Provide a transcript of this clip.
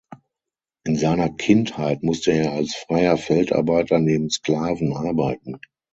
In seiner Kindheit musste er als freier Feldarbeiter neben Sklaven arbeiten.